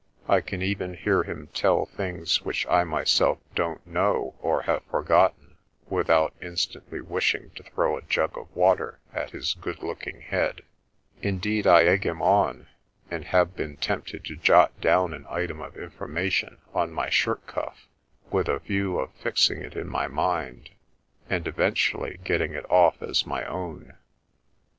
I can even hear him tell things which I myself don't know or have forgotten, without in stantly wishing to throw a jug of water at his good looking head ; indeed, I egg him on and have been tempted to jot down an item of information on my shirt cuflF, with a view of fixing it in my mind, and eventually getting it off as my own.